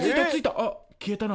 あっ消えたな。